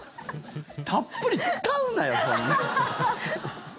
たっぷり使うなよ、そんな。